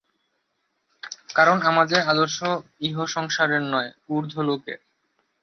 কারণ আমাদের আদর্শ ইহসংসারের নয়, ঊর্ধ্বলোকের।